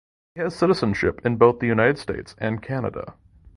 He has citizenship in both the United States and Canada.